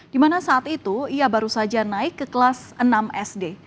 di mana saat itu ia baru saja naik ke kelas enam sd